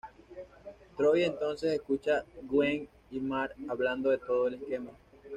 Troy entonces escucha Gwen y Marc hablando de todo el esquema.